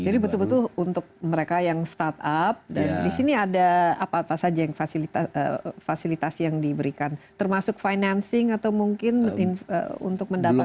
jadi betul betul untuk mereka yang startup dan di sini ada apa apa saja yang fasilitasi yang diberikan termasuk financing atau mungkin untuk mendapatkan